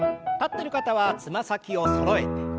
立ってる方はつま先をそろえて。